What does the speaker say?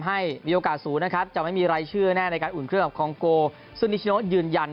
ก็จะมีการลงรายละเอียดที่สุดในการเล่นเกมวันนี้ครับ